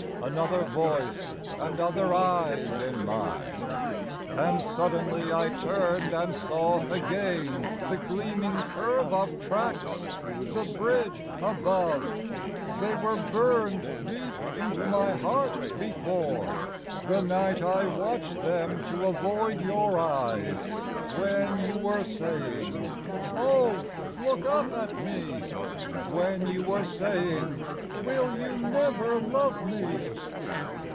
Another voice and other eyes in mine! And suddenly I turned and saw again The gleaming curve of tracks, the bridge above They were burned deep into my heart before, The night I watched them to avoid your eyes, When you were saying, "Oh, look up at me!" When you were saying, "Will you never love me?"